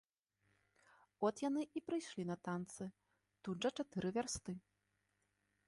От яны і прыйшлі на танцы, тут жа чатыры вярсты.